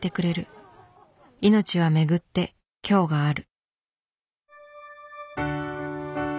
命は巡って今日がある。